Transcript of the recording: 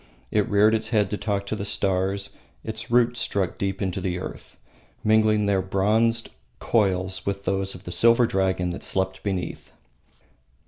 It reared its head to talk to the stars; its roots struck deep into the earth, mingling their bronzed coils with those of the silver dragon that slept beneath.